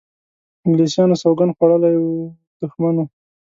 انګلیسیانو سوګند خوړولی دښمن وو.